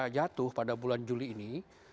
jatuh pada bulan juli ini